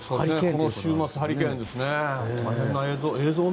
この週末ハリケーンですね。